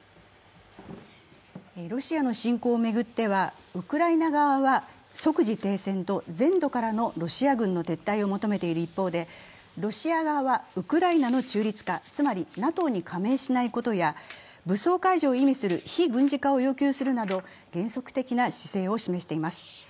ロシアの侵攻を巡ってはウクライナ側は即時停戦と全土からのロシア軍の撤退を求めている一方でロシア側はウクライナの中立化、つまりＮＡＴＯに加盟しないことや武装解除を意味する非軍事化など、原則的な姿勢を示しています。